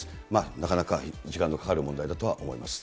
なかなか時間のかかる問題だとは思います。